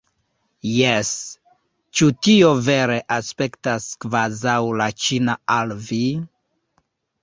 Jes, ĉu tio vere aspektas kvazaŭ la ĉina al vi?